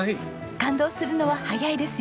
感動するのは早いですよ。